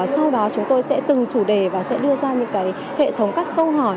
sau đó chúng tôi sẽ từng chủ đề và sẽ đưa ra những hệ thống các câu hỏi